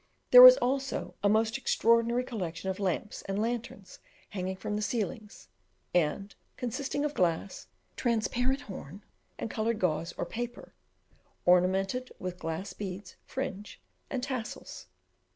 There was also a most extraordinary collection of lamps and lanterns hanging from the ceilings, and consisting of glass, transparent horn, and coloured gauze or paper, ornamented with glass beads, fringe, and tassels.